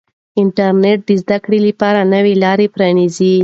انټرنیټ د زده کړې لپاره نوې لارې پرانیزي.